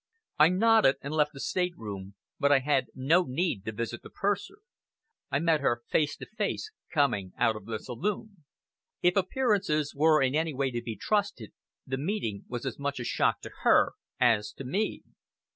I nodded and left the state room, but I had no need to visit the purser. I met her face to face coming out of the saloon. If appearances were in any way to be trusted, the meeting was as much a shock to her as to me.